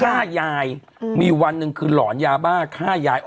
ย่ายายอืมมีวันหนึ่งคือหลอนยาบ้าฆ่ายาย